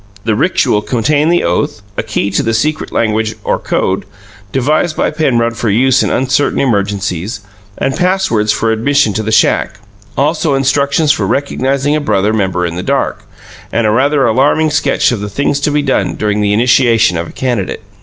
The rixual contained the oath, a key to the secret language, or code (devised by Penrod for use in uncertain emergencies) and passwords for admission to the shack, also instructions for recognizing a brother member in the dark, and a rather alarming sketch of the things to be done during the initiation of a candidate.